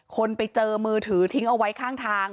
คนไปเจอมือถือทิ้งเอาไว้ข้างทาง